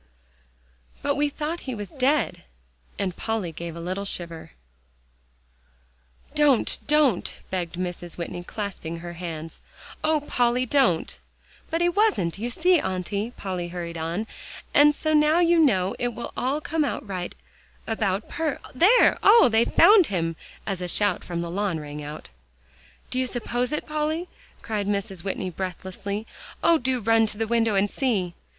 "But we thought he was dead," and Polly gave a little shiver. "Don't don't," begged Mrs. Whitney, clasping her hands; "Oh, Polly! don't." "But he wasn't, you see, Auntie," Polly hurried on, "and so now you know it will come out all right about Per There! Oh! they've found him!" as a shout from the lawn rang out. "Do you suppose it, Polly?" cried Mrs. Whitney, breathlessly. "Oh! do run to the window and see!"